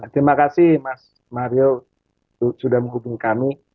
terima kasih mas mario sudah menghubungi kami